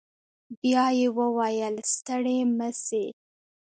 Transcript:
بيا يې وويل ستړي مه سئ.